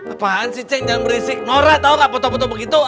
apaan sih ceng jangan berisik nolah tau gak foto foto begitu